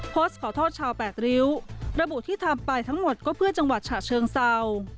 โพสต์ขอโทษชาวแปดริ้วระบุที่ทำไปทั้งหมดก็เพื่อจังหวัดฉะเชิงเศร้า